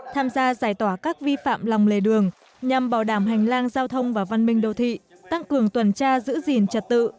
tham gia giải tỏa các vi phạm lòng lề đường nhằm bảo đảm hành lang giao thông và văn minh đô thị tăng cường tuần tra giữ gìn trật tự